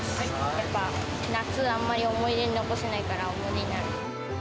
やっぱ、夏はあんまり思い出の残せないから、思い出になる。